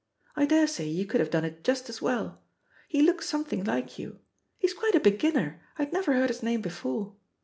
I daresay you could have done it just as well — ^he looks something like you ; he's quite a beginner, I had never heard his name before.